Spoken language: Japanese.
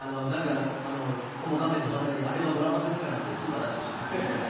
この画面の真ん中に、あれはドラマですからって、スーパー出してほしいです。